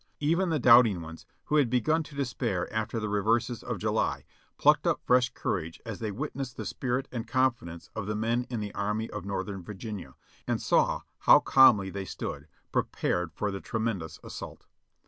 Even the doubt ing ones, who had begun to despair after the reverses of July, plucked up fresh courage as they witnessed the spirit and confi dence of the men of the Army of Northern Virginia, and saw how calmly they stood, prepared for the tremendous assault.